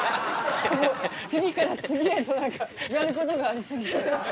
次から次へと何かやることがありすぎて。